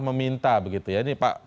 meminta begitu ya ini pak